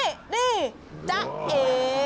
นี่จ๊ะเอ